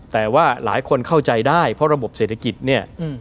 แต่ว่าหลายคนเข้าใจได้เพราะระบบเศรษฐกิจเนี่ย